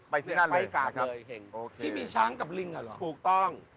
ไปเสียงนั่นเลยครับเห็นครับโอเคที่มีช้างกับลิ้งนั่นเหรอถูกต้อง